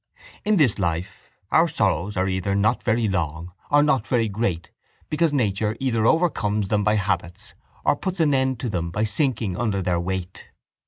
In this life our sorrows are either not very long or not very great because nature either overcomes them by habits or puts an end to them by sinking under their weight.